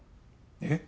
えっ？